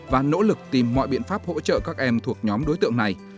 và nỗ lực tìm mọi biện pháp hỗ trợ các em thuộc nhóm đối tượng này